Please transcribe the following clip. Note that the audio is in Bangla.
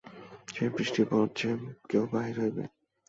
সে বৃষ্টিবজ্রে কে বাহির হইবে।